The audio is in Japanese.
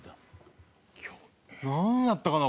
なんやったかな？